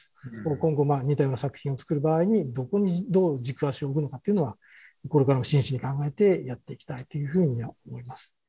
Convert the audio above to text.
今後似たような作品を作る場合にどこにどう軸足を置くのかっていうのはこれからも真摯に考えてやっていきたいというふうには思います。